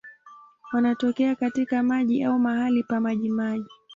Wanatokea katika maji au mahali pa majimaji.